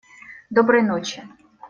Доброй ночи.